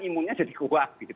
imunnya jadi kuat gitu